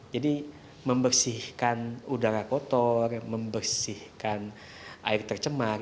jadi membersihkan udara kotor membersihkan air tercemar